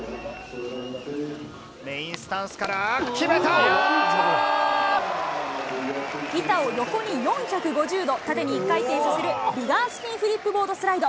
メインスタンスから、板を横に４５０度、縦に１回転させる、ビガースピンフリップボードスライド。